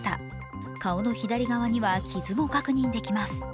顔の左側には傷も確認できます。